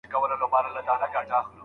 زده کوونکی به سبا په خپله ژبه خبرې وکړي.